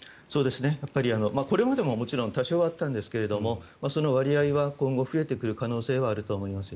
これまでももちろん多少はあったんですけれどもその割合は今後、増えてくる可能性はあると思います。